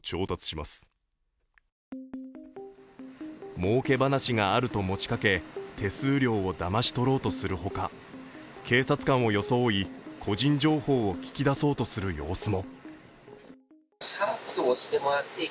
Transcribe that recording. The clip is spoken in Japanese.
もうけ話があると持ちかけ、手数料をだまし取ろうとする他警察官を装い、個人情報を聞き出そうとする様子も。